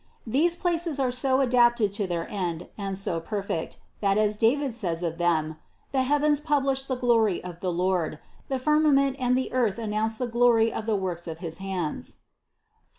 These places are so adapted to their end and so perfect, that as David says of them, the heavens publish the glory of the Lord, the firmament and the earth an nounce the glory of the works of his hands (Ps.